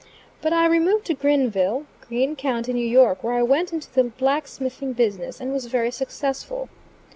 But I removed to Greenville, Greene County, N. Y., where I went into the black smithing business, and was very successful.